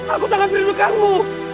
aku sangat merindukanmu